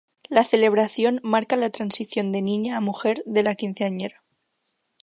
La celebración marca la transición de niña a mujer de la quinceañera.